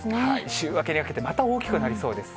週明けにかけて、また大きくなりそうです。